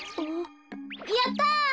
やった！